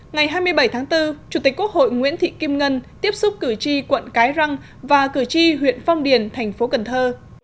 ngày hai mươi bảy tháng bốn chủ tịch quốc hội nguyễn thị kim ngân tiếp xúc cử tri quận cái răng và cử tri huyện phong điền thành phố cần thơ